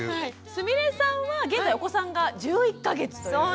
すみれさんは現在お子さんが１１か月ということで。